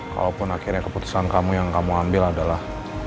kalaupun akhirnya keputusan kamu yang kamu ambil adalah